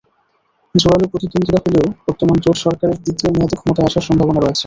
জোরালো প্রতিদ্বন্দ্বিতা হলেও বর্তমান জোট সরকারের দ্বিতীয় মেয়াদে ক্ষমতায় আসার সম্ভাবনা রয়েছে।